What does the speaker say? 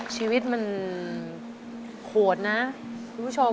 ชีวิตมันโหดนะคุณผู้ชม